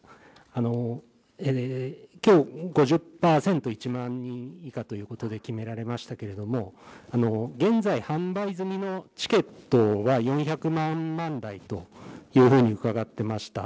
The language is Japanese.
きょう、５０％、１万人以下ということで決められましたけれども、現在、販売済みのチケットが４００万枚台というふうに伺ってました。